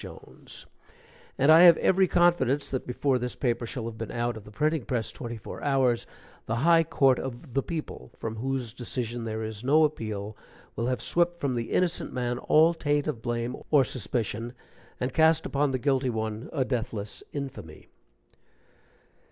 Jones, and I have every confidence that before this paper shall have been out of the printing press twenty four hours, the high court of The People, from whose decision there is no appeal, will have swept from the innocent man all taint of blame or suspicion, and cast upon the guilty one a deathless infamy.